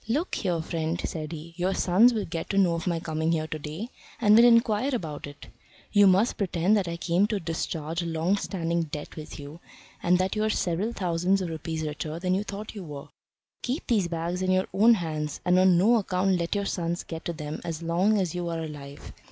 "Look here, friend," said he. "Your sons will get to know of my coming here to day, and will inquire about it. You must pretend that I came to discharge a long standing debt with you, and that you are several thousands of rupees richer than you thought you were. Keep these bags in your own hands, and on no account let your sons get to them as long as you are alive.